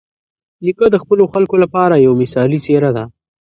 نیکه د خپلو خلکو لپاره یوه مثالي څېره ده.